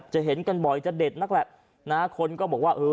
เห็นกันบ่อยจะเด็ดนักแหละนะคนก็บอกว่าเออ